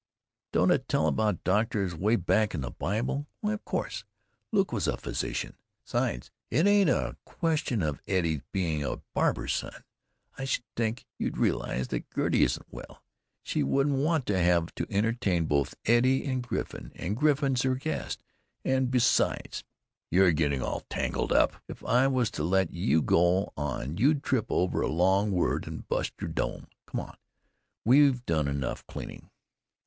Don't it tell about doctors 'way back in the Bible? Why, of course! Luke was a physician! 'Sides, it ain't a question of Eddie's being a barber's son. I sh'd think you'd realize that Gertie isn't well. She wouldn't want to have to entertain both Eddie and Griffin, and Griffin 's her guest; and besides——" "You're getting all tangled up. If I was to let you go on you'd trip over a long word and bust your dome. Come on. We've done enough cleaning.